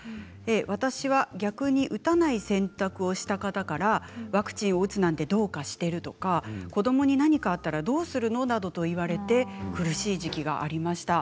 私は逆に打たない選択をした方からワクチンを打つなんてどうかしているとか子どもに何かあったらどうするの？などと言われて苦しい時期がありました。